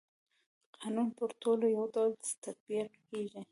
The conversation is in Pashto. قانون پر ټولو يو ډول تطبيق کيږي.